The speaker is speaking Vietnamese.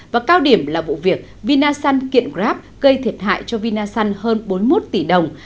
và cao điểm là vụ việc vinasun kiện grab gây thiệt hại cho vinasun hơn bốn mươi một tỷ đồng